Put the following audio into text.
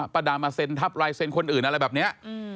ประดามาเซ็นทับลายเซ็นคนอื่นอะไรแบบนี้